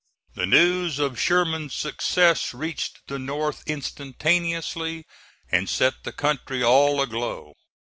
The news of Sherman's success reached the North instantaneously, and set the country all aglow.